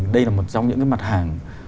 đây là một trong những cái mặt hàng